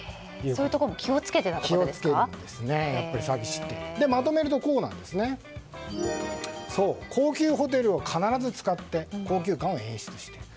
そういうところも気を付けていた気を付けるんですねまとめると高級ホテルを必ず使って高級感を演出している。